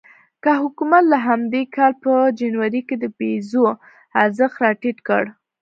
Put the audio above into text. حکومت د همدې کال په جنوري کې د پیزو ارزښت راټیټ کړ.